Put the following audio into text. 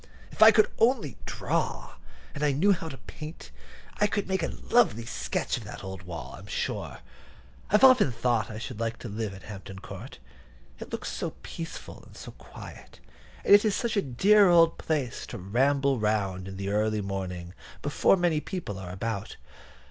If I could only draw, and knew how to paint, I could make a lovely sketch of that old wall, I'm sure. I've often thought I should like to live at Hampton Court. It looks so peaceful and so quiet, and it is such a dear old place to ramble round in the early morning before many people are about.